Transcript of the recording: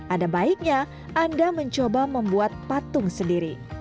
ada baiknya anda mencoba membuat patung sendiri